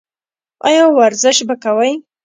ایا ورزش به کوئ؟